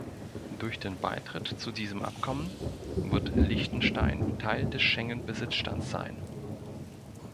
Durch den Beitritt zu diesem Abkommen wird Liechtenstein Teil des Schengen-Besitzstands sein.